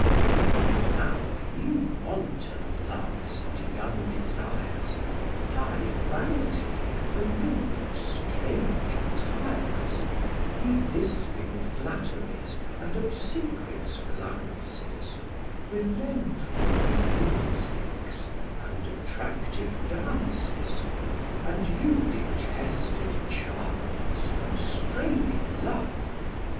And now, ye wanton Loves, and young Desires, Pied Vanity, the mint of strange attires, Ye lisping Flatteries, and obsequious Glances, Relentful Musics, and attractive Dances, And you detested Charms constraining love!